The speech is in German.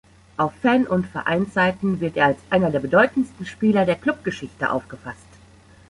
Auf Fan- und Vereinsseiten wird er als einer der bedeutendsten Spieler der Klubgeschichte aufgefasst.